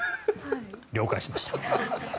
了解しました。